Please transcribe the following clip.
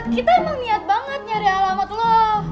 kita emang niat banget nyari alamat loh